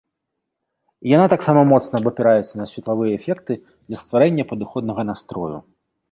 Яна таксама моцна абапіраецца на светлавыя эфекты для стварэння падыходнага настрою.